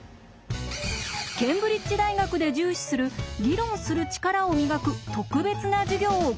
ケンブリッジ大学で重視する議論する力を磨く特別な授業をご紹介しましょう。